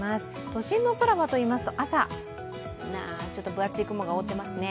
都心の空はといいますと、朝、分厚い雲が覆っていますね。